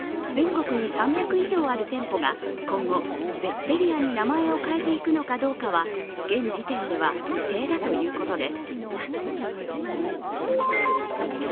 全国に３００以上ある店舗が今後、ゼッテリアに名前を変えていくのかどうかは現時点では未定だということです。